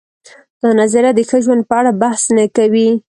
دا نظریه د ښه ژوند په اړه بحث نه کوي.